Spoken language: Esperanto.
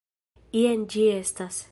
Jen ĝi estas: